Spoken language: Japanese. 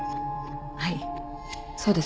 はいそうです。